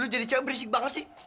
eh lu jadi capek berisik banget sih